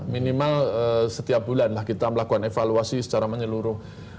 minimal setiap bulan lah kita melakukan evaluasi secara menyeluruh